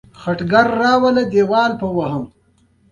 د دښتو د ساتنې لپاره قوانین شته.